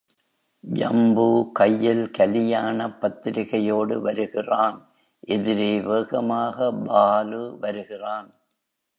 ஜம்பு கையில் கலியாணப் பத்திரிகையோடு வருகிறான் எதிரே வேகமாக பாலு வருகிறான்.